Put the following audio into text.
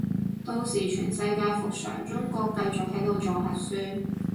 到時全世界復常，中國繼續喺度做核酸